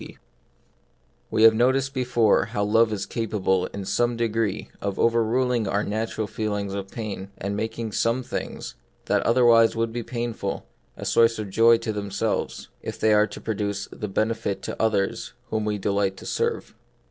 T T7E have noticed before how love is cap able in some degree of overruling our natural feelings of pain, and of making some things, that otherwise would be painful, a source of joy to ourselves, if they are produc tive of benefit to others whom we delight to serve.